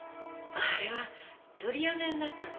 あれは取りやめになったの。